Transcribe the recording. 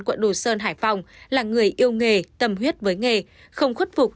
quận đồ sơn hải phòng là người yêu nghề tâm huyết với nghề không khuất phục